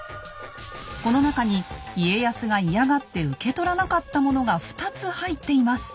この中に家康が嫌がって受け取らなかったモノが２つ入っています。